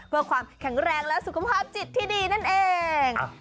เพื่อความแข็งแรงและสุขภาพจิตที่ดีนั่นเอง